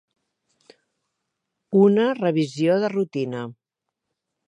Una revisió de rutina.